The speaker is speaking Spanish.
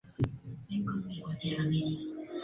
Actualmente se les denomina "misquitos" o "miskitos".